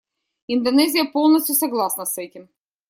Индонезия полностью согласна с этим.